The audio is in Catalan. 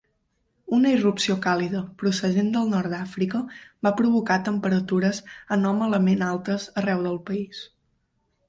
Una irrupció càlida procedent del nord d’Àfrica va provocar temperatures anòmalament altes arreu del país.